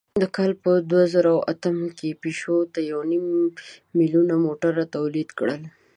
په کال دوهزرهاتم کې پيژو تر یونیم میلیونه موټرونه تولید کړل.